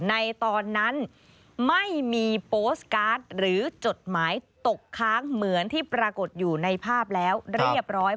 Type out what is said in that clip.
ในตอนนั้นไม่มีโปสตการ์ดหรือจดหมายตกค้างเหมือนที่ปรากฏอยู่ในภาพแล้วเรียบร้อย